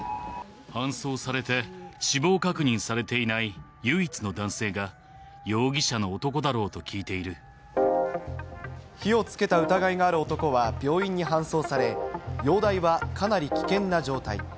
搬送されて死亡確認されていない唯一の男性が容疑者の男だろ火をつけた疑いがある男は病院に搬送され、容体はかなり危険な状態。